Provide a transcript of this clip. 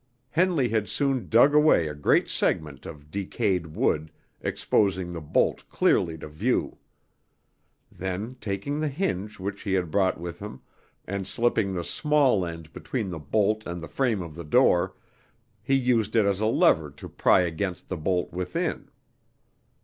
Henley had soon dug away a great segment of decayed wood, exposing the bolt clearly to view. Then taking the hinge which he had brought with him, and slipping the small end between the bolt and the frame of the door, he used it as a lever to pry against the bolt within.